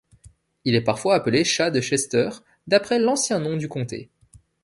Il est parfois appelé chat de Chester, d'après l'ancien nom du comté.